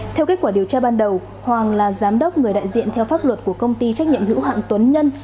theo kết quả điều tra ban đầu hoàng là giám đốc người đại diện theo pháp luật của công ty trách nhiệm hữu hạng tuấn nhân